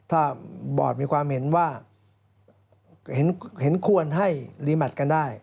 ถ้าบอร์ดมีความเห็นว่าเห็นควรให้รีแมทกันได้